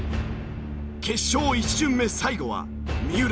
決勝１巡目最後は三浦。